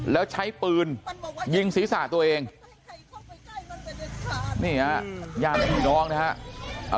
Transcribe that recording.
แล้วใช้ปืนยิงศีรษะตัวเองนี่ฮะญาติพี่น้องนะฮะ